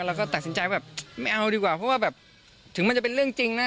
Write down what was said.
แล้วก็ตัดสินใจว่าไม่เอาดีกว่าเพราะว่าแบบถึงมันจะเป็นเรื่องจริงนะ